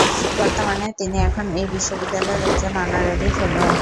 বর্তমানে তিনি এখন এই বিশ্ববিদ্যালয়ের একজন অনারারি ফেলো।